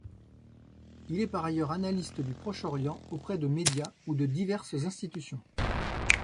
Il est par ailleurs analyste du Proche-Orient auprès de médias, ou de diverses institutions.